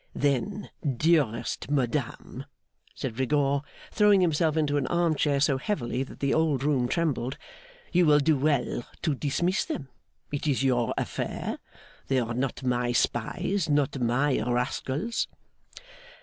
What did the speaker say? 'Then, dearest madame,' said Rigaud, throwing himself into an arm chair so heavily that the old room trembled, 'you will do well to dismiss them. It is your affair. They are not my spies, not my rascals.